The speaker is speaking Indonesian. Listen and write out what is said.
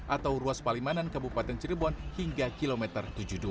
atau ruas palimanan kabupaten cirebon hingga kilometer tujuh puluh dua